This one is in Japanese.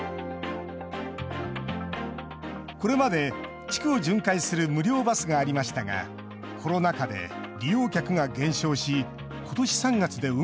これまで地区を巡回する無料バスがありましたがコロナ禍で利用客が減少し今年３月で運行が終了。